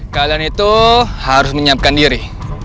kalian itu harus menyiapkan diri